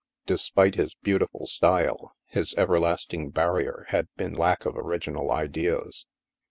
Despite his beautiful style, his everlasting barrier had been lack of orig inal ideas.